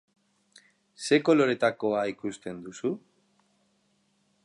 Ze koloretakoa ikusten duzu?